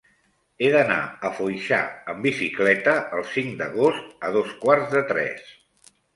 He d'anar a Foixà amb bicicleta el cinc d'agost a dos quarts de tres.